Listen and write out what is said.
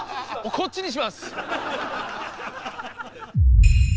こっちにします。